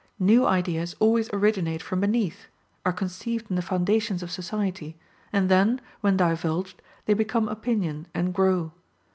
New ideas always originate from beneath, are conceived in the foundations of society, and then, when divulged, they become opinion and grow.